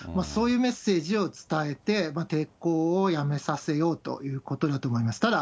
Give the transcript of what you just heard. そういうメッセージを伝えて、抵抗をやめさせようということだと思います。